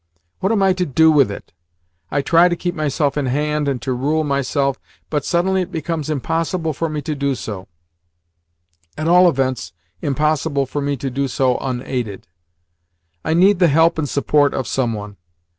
What am I to do with it? I try to keep myself in hand and to rule myself, but suddenly it becomes impossible for me to do so at all events, impossible for me to do so unaided. I need the help and support of some one.